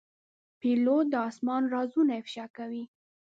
پیلوټ د آسمان رازونه افشا کوي.